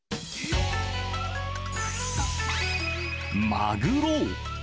マグロ。